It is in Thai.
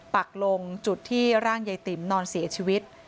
ปักลงจุดที่ร่างยายติ๋มนอนเสียชีวิต